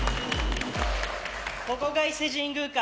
ここが伊勢神宮か。